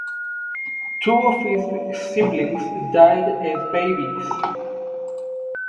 Two of his siblings died as babies.